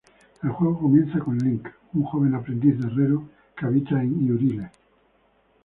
El juego comienza con Link, un joven aprendiz de herrero que habita en Hyrule.